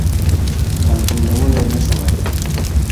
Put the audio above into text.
کنټرولولای نه شوای.